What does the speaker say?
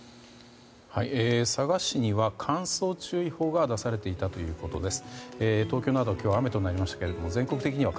佐賀市には乾燥注意報が出されていたということです。